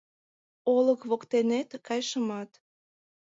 Олык воктенет кайышымат -